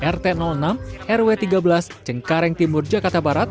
rt enam rw tiga belas cengkareng timur jakarta barat